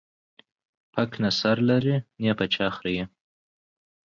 پک نه سر لري ، نې په چا خريي.